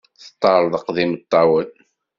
Teṭṭerḍeq d imeṭṭawen.